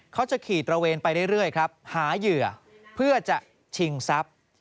เขาจะขี่ตระเวนไปเรื่อยครับหาเหยื่อเพื่อจะชิงทรัพย์